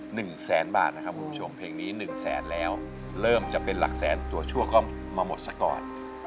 หนึ่งแสนบาทนะครับคุณผู้ชมเพลงนี้หนึ่งแสนแล้วเริ่มจะเป็นหลักแสนตัวชั่วก็มาหมดซะก่อน